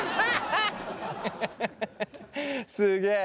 すげえ。